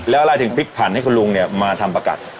แล้วอะไรถึงพลิกผันให้คุณลุงเนี่ยมาทำประกัด